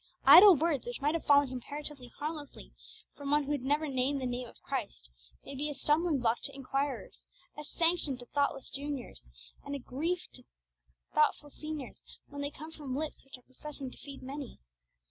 Idle words, which might have fallen comparatively harmlessly from one who had never named the Name of Christ, may be a stumbling block to inquirers, a sanction to thoughtless juniors, and a grief to thoughtful seniors, when they come from lips which are professing to feed many.